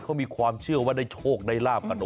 เขามีความเชื่อว่าได้โชคได้ลาบกัน